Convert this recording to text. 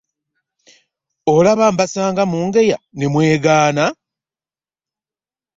Olaba mbasanga mungeya ne mwegaana!